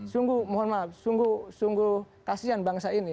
sungguh mohon maaf sungguh sungguh kasihan bangsa ini